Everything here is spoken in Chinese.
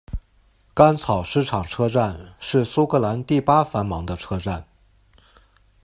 干草市场车站是苏格兰第八繁忙的车站。